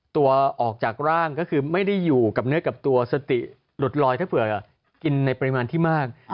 ออกจากร่างก็คือไม่ได้อยู่กับเนื้อกับตัวสติหลุดลอยถ้าเผื่อกินในปริมาณที่มาก